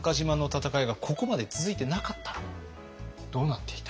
どうなっていた？